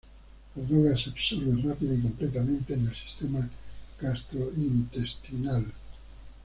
La droga se absorbe rápida y completamente en el sistema gastrointestinal.